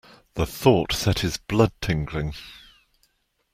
The thought set his blood tingling.